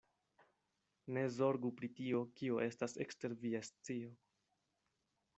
Ne zorgu pri tio, kio estas ekster via scio.